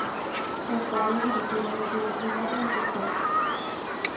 Más tarde se retiró a la vida privada en su estancia.